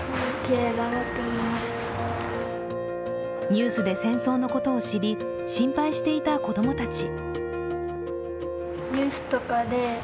ニュースで戦争のことを知り心配していた子供たち。